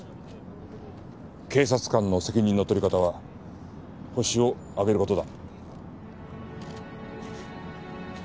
警察官の責任の取り方はホシを挙げる事だ。